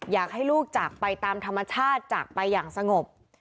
อยากให้ลูกจากไปตามธรรมชาติจากไปอย่างสงบ